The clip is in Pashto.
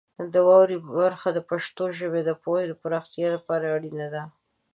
د واورئ برخه د پښتو ژبې د پوهې د پراختیا لپاره اړینه ده.